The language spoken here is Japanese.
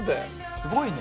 すごいね。